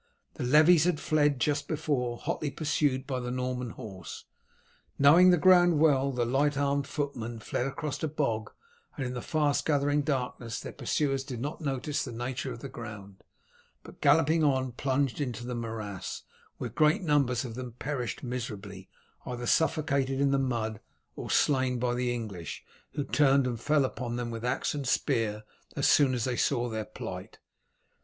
The levies had fled just before, hotly pursued by the Norman horse. Knowing the ground well the light armed footmen fled across a bog, and in the fast gathering darkness their pursuers did not notice the nature of the ground, but galloping on plunged into the morass, where great numbers of them perished miserably, either suffocated in the mud or slain by the English, who turned and fell upon them with axe and spear as soon as they saw their plight.